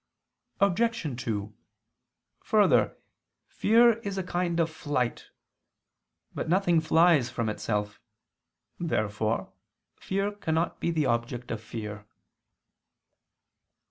Obj. 2: Further, fear is a kind of flight. But nothing flies from itself. Therefore fear cannot be the object of fear.